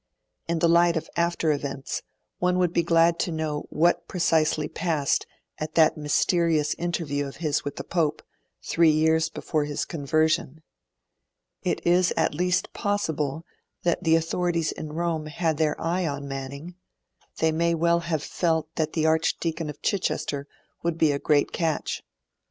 In the light of after events, one would be glad to know what precisely passed at that mysterious interview of his with the Pope, three years before his conversion. It is at least possible that the authorities in Rome had their eye on Manning; the may well have felt that the Archdeacon of Chichester would be a great catch.